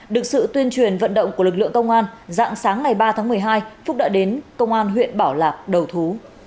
được sự tuyên truyền vận động của lực lượng công an dạng sáng ngày ba tháng một mươi hai phúc đã đến công an huyện bảo lạc đầu thú